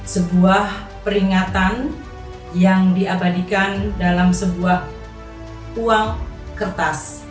sebuah peringatan yang diabadikan dalam sebuah uang kertas